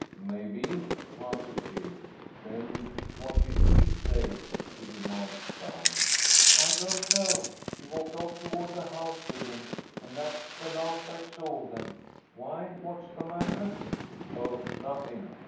"Maybe," answered Phil. "Then what did she say?" he demanded, frowning. "I don't know. She walked off toward the house with him, and that's the last I saw of them. Why, what's the matter?" "Oh, nothing!"